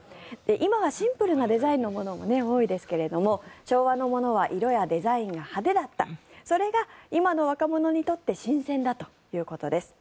今はシンプルなデザインのものが多いですが昭和のものは色やデザインが派手だったそれが今の若者にとって新鮮だということです。